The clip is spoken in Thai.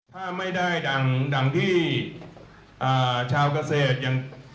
ถ้าไม่ได้ดังที่ชาวเกษตรอย่าง